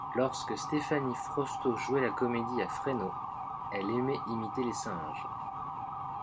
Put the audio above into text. Lorsque Stephanie Frausto jouait la comédie à Fresno elle aimait imiter les singes.